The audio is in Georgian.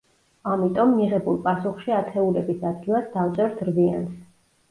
ამიტომ, მიღებულ პასუხში ათეულების ადგილას დავწერთ რვიანს.